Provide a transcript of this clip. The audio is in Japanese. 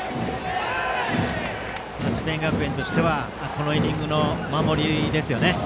智弁学園としてはこのイニングの守りですね。